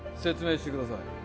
説明してください